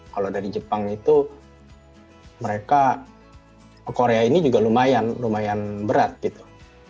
kalau dari jepang itu mereka ke korea ini juga lumayan lumayan berat gitu